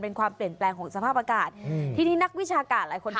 เป็นความเปลี่ยนแปลงของสภาพอากาศ